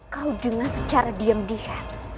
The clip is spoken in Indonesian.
kau dengar secara diam diam